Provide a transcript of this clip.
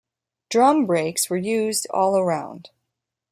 Drum brakes were used all around.